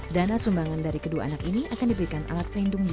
dana sumbangan dari kedua anak ini akan diberikan alat pelindung diri